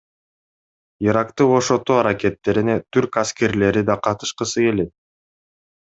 Иракты бошотуу аракеттерине түрк аскерлери да катышкысы келет.